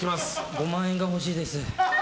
５万円が欲しいです。